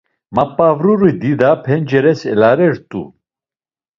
Map̌avruri dida penceres elaret̆u.